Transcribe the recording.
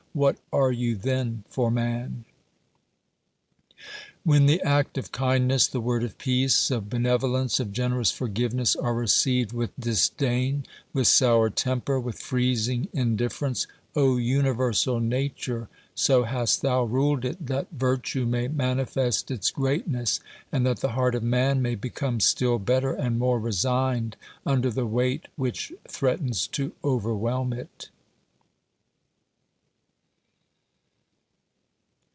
what are you then for man ? When the act of kindness, the word of peace, of bene volence, of generous forgiveness, are received with disdain, with sour temper, with freezing indifference — O Universal Nature, so hast thou ruled it that virtue may manifest its greatness, and that the heart of man may become still better, and more resigned, under the weight which threatens to overwhelm it